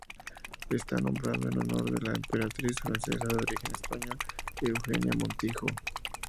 Está nombrado en honor de la emperatriz francesa de origen español Eugenia de Montijo.